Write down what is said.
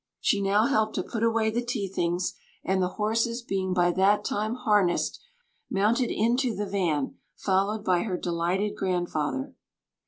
She now helped to put away the tea things, and the horses being by that time harnessed, mounted into the van, followed by her delighted grandfather.